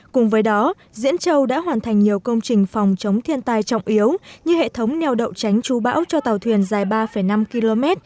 cùng với đó diễn châu đã hoàn thành nhiều công trình phòng chống thiên tai trọng yếu như hệ thống neo đậu tránh chú bão cho tàu thuyền dài ba năm km